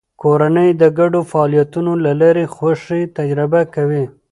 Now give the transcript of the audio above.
کورنۍ د ګډو فعالیتونو له لارې خوښي تجربه کوي